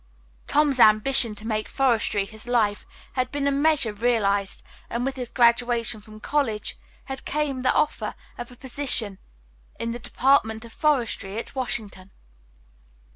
Tom's ambition to make forestry his life work had been in a measure realized, and with his graduation from college had come the offer of a position in the Department of Forestry at Washington.